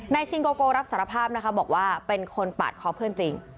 ชิงโกโกรับสารภาพนะคะบอกว่าเป็นคนปาดคอเพื่อนจริง